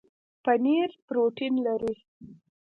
پنیر پروټین لري